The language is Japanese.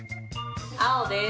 青緒です。